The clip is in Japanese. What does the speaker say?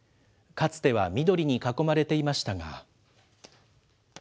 かつては緑に囲まれていましたが。